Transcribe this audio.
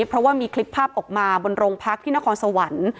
เพราะว่ามีคลิปภาพออกมาบนโรงพักที่นครสวรรค์